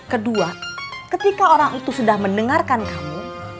kedua ketika orang itu sudah mendengarkan kamu